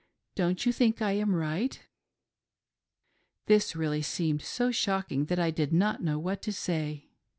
Don't you think I am right ?" This really seemed so shocking that I did not know what to say.